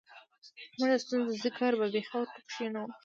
زمونږ د ستونزو ذکــــــر به بېخي ورپکښې نۀ وۀ